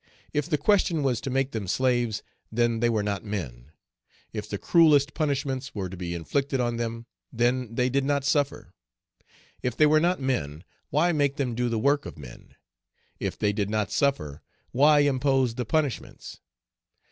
If the question was to make them slaves, then they were not men; if the cruellest punishments were to be inflicted on them, then they did not suffer. If they were not men, why make them do the work of men? If they did not suffer, why impose the punishments?